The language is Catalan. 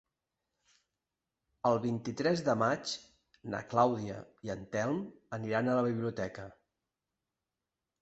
El vint-i-tres de maig na Clàudia i en Telm aniran a la biblioteca.